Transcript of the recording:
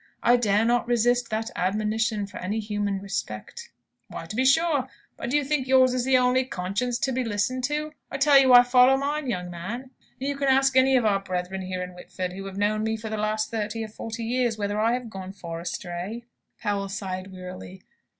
I dare not resist that admonition for any human respect." "Why, to be sure! But do you think yours is the only conscience to be listened to? I tell you I follow mine, young man. And you can ask any of our brethren here in Whitford, who have known me for the last thirty or forty years, whether I have gone far astray!" Powell sighed wearily.